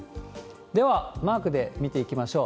ではマークで見ていきましょう。